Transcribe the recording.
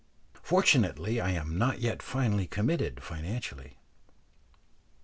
Fortunately I am not yet finally committed, financially.